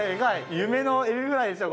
夢のエビフライですよ